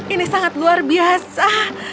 ini sangat luar biasa